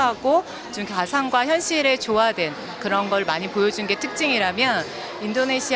kami juga menunjukkan banyak hal yang bergabung dengan realitas